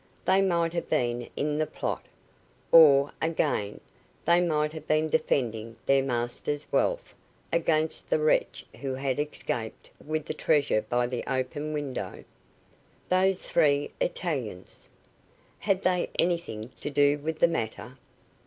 They might have been in the plot. Or, again, they might have been defending their master's wealth against the wretch who had escaped with the treasure by the open window. Those three Italians! Had they anything to do with the matter?